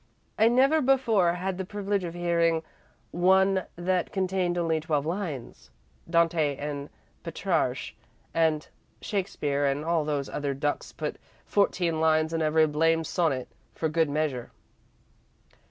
"I never before had the privilege of hearing one that contained only twelve lines. Dante and Petrarch and Shakespeare and all those other ducks put fourteen lines in every blamed sonnet, for good measure."